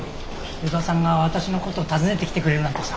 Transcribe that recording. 依田さんが私のこと訪ねてきてくれるなんてさ。